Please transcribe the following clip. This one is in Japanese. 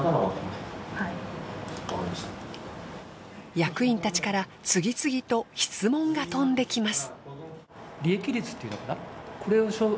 役員たちから次々と質問が飛んできます。